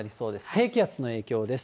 低気圧の影響です。